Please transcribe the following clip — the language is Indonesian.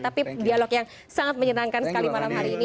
tapi dialog yang sangat menyenangkan sekali malam hari ini